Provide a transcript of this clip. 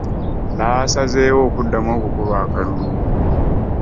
Baasazeewo okuddamu okukuba akalulu